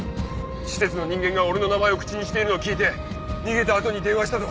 施設の人間が俺の名前を口にしているのを聞いて逃げた後に電話したと。